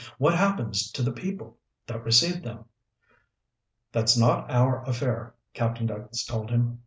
"What happens to the people that received them?" "That's not our affair," Captain Douglas told him.